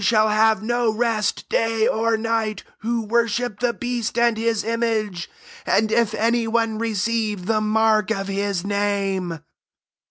4or shall have no rest day or night who worship the beast and his image, and if any one receive the mark of his name."